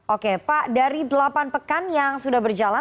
oke pak dari delapan pekan yang sudah berjalan